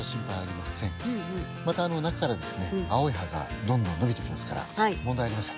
また中からですね青い葉がどんどん伸びてきますから問題ありません。